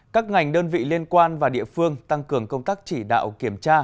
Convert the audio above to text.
các ngành đơn vị liên quan và địa phương tăng cường công tác chỉ đạo kiểm tra